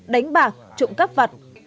đánh bạc trụng cắp vặt